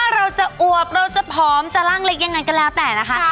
เราจะพร้อมจะร่างเล็กยังไงก็แล้วแต่นะคะ